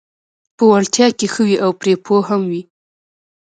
په وړتیا کې ښه وي او پرې پوه هم وي: